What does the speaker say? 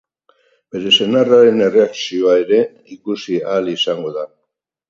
Bere senarraren erreakzioa ere ikusi ahal izango da.